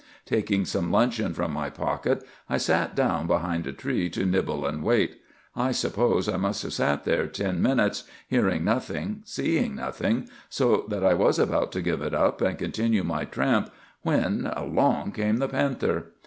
Taking some luncheon from my pocket, I sat down behind a tree to nibble and wait. I suppose I must have sat there ten minutes, hearing nothing, seeing nothing, so that I was about to give it up, and continue my tramp, when—along came the panther!